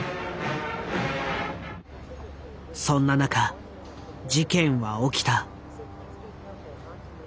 そんな中事件は起きた。